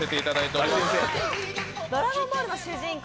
「ドラゴンボール」の主人公